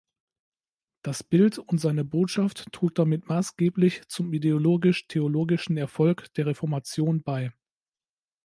Das Bild und seine Botschaft trug damit maßgeblich zum ideologisch-theologischen Erfolg der Reformation bei.